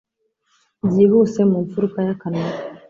byihuse mu mfuruka y'akanwa ke.